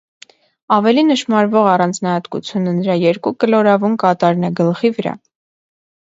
Ավելի նշմարվող առանձնահատկությունը նրա երկու կլորավուն կատարն է գլխի վրա։